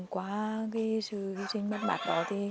qua sự mất mạc đó